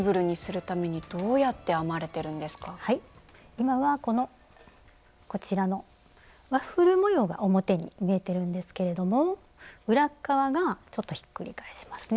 今はこのこちらのワッフル模様が表に見えてるんですけれども裏っかわがちょっとひっくり返しますね